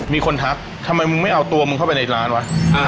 มีคนทักทำไมมึงไม่เอาตัวมึงเข้าไปในร้านวะ